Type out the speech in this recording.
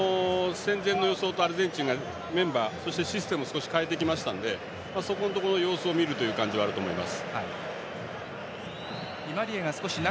戦前の予想とはアルゼンチンがメンバー、システムを変えてきたのでそこのところの様子を見る感じはあると思います。